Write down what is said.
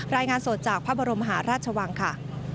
รายงานสดจากพระบรมหาราชวังค่ะ